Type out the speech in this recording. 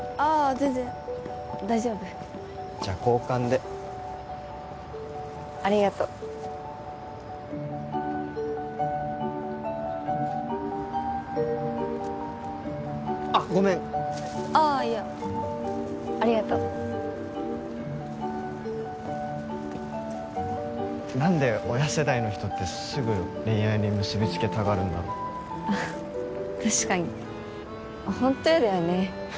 全然大丈夫じゃあ交換でありがとうあっごめんああいやありがとう何で親世代の人ってすぐ恋愛に結びつけたがるんだろ確かにホントやだよね